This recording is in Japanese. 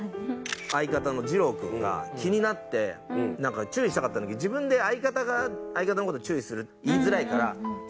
相方のじろう君が気になって注意したかったんだけど自分で相方の事注意する言いづらいから。